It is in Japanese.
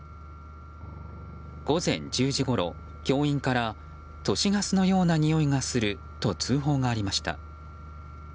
午前１０時ごろ、教員から都市ガスのようなにおいがすると通報がありました。